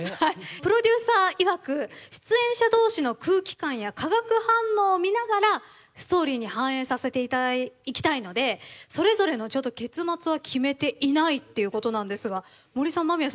プロデューサーいわく出演者同士の空気感や化学反応を見ながらストーリーに反映させていきたいのでそれぞれの結末は決めていないっていうことなんですが森さん間宮さんどうですか？